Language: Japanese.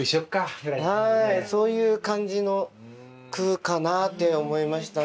そういう感じの句かなって思いました。